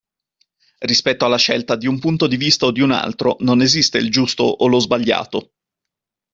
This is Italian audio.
Rispetto alle scelta di un punto di vista o di un altro, non esiste il giusto o lo sbagliato.